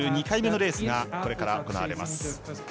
２回目のレースがこれから行われます。